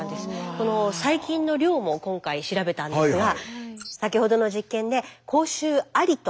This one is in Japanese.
この細菌の量も今回調べたんですが先ほどの実験で口臭ありと判定された９人。